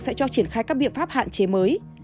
sẽ cho triển khai các biện pháp hạn chế mới